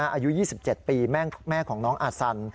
อายุ๒๗ปีแม่ของน้องอาซัน